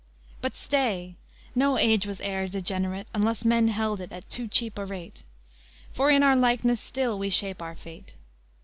But stay! no age was e'er degenerate, Unless men held it at too cheap a rate, For in our likeness still we shape our fate.